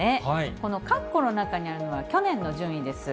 このかっこの中にあるのは、去年の順位です。